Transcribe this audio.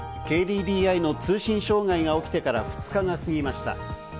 ＫＤＤＩの通信障害が起きてから２日が過ぎました。